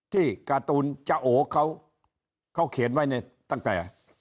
การ์ตูนจ้าโอเขาเขียนไว้ในตั้งแต่